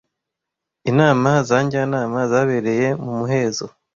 inama za njyanama zabereye mu muhezo